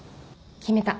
決めた